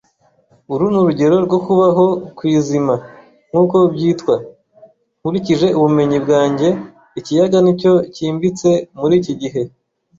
Uru nurugero rwo kubaho kwizima, nkuko byitwa. Nkurikije ubumenyi bwanjye, ikiyaga nicyo cyimbitse muri iki gihe.